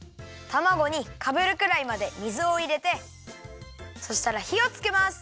たまごにかぶるくらいまで水をいれてそしたらひをつけます。